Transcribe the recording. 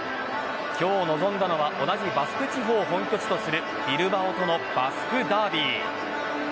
今日臨んだのは同じバスク地方を本拠地とするビルバオとのバスクダービー。